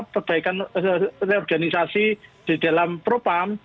perbaikan reorganisasi di dalam propam